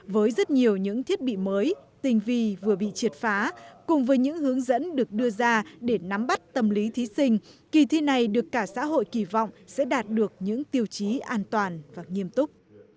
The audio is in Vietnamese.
với rất nhiều những thiết bị mới tình vi vừa bị triệt phá cùng với những hướng dẫn được đưa ra để nắm bắt tâm lý thí sinh kỳ thi này được cả xã hội kỳ vọng sẽ đạt được những tiêu chí an toàn và nghiêm túc